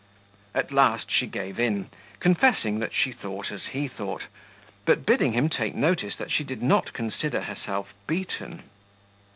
At last she gave in, confessing that she thought as he thought, but bidding him take notice that she did not consider herself beaten.